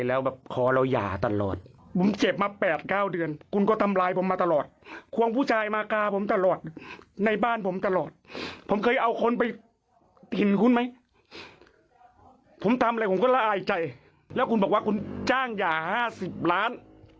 แล้วคุณบอกว่าคุณจ้างหย่า๕๐ล้าน